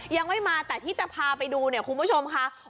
ยังไม่มาแต่ที่จะพาไปดูเนี่ยคุณผู้ชมค่ะ